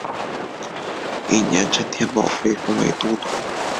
翌年陈添保被封为都督。